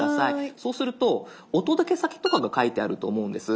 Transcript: そうするとお届け先とかが書いてあると思うんです。